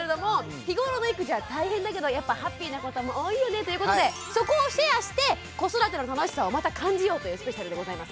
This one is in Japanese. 日頃の育児は大変だけどやっぱハッピーなことも多いよねということでそこをシェアして子育ての楽しさをまた感じようというスペシャルでございます。